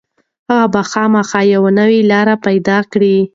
هغه به خامخا یوه نوې لاره پيدا کړي.